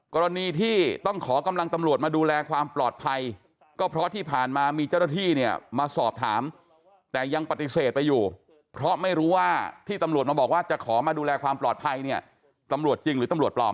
กรณีที่ต้องขอกำลังตำรวจมาดูแลความปลอดภัยก็เพราะที่ผ่านมามีเจ้าหน้าที่เนี่ยมาสอบถามแต่ยังปฏิเสธไปอยู่เพราะไม่รู้ว่าที่ตำรวจมาบอกว่าจะขอมาดูแลความปลอดภัยเนี่ยตำรวจจริงหรือตำรวจปลอม